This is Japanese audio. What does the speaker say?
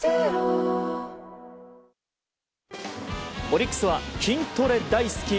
オリックスは筋トレ大好き